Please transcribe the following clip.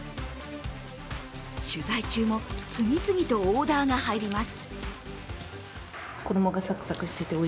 取材中も、次々とオーダーが入ります。